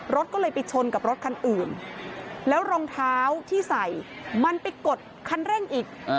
รถก็เลยไปชนกับรถคันอื่นแล้วรองเท้าที่ใส่มันไปกดคันเร่งอีก